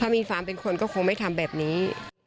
ถ้ามีฝังเป็นคนก็คงไม่ทำแบบนี้